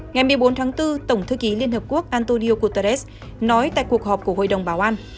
ngày một mươi bốn tháng bốn tổng thư ký liên hợp quốc antonio guterres nói tại cuộc họp của hội đồng bảo an